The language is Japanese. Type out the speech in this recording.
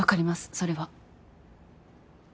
それは。